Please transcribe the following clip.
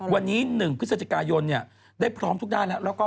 วันนี้๑พฤศจิกายนได้พร้อมทุกด้านแล้ว